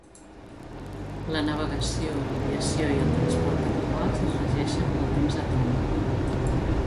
La navegació, l'aviació i el transport actuals es regeixen pel Temps Atòmic.